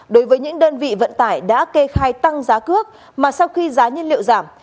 đối với những đơn vị vận tải đã kê khai tăng giá cước mà sau khi giá nhân liệu giảm